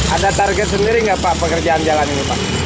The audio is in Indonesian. ada target sendiri nggak pak pekerjaan jalan ini pak